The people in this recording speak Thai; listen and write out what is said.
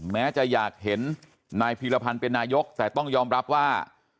แม้จะอยากเห็นนายพีรพันธ์เป็นนายกแต่ต้องยอมรับว่า